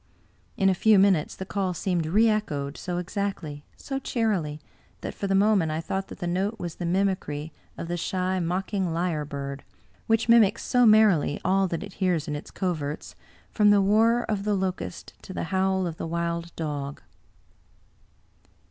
In a few minutes the call seemed reechoed, so exactly, so cheerily, that for the moment I thought that the note was the mimicry of the shy mocking lyre bird, which mimics so merrily all that it hears in its coverts, from the whir of the locust to the howl of the wild dog.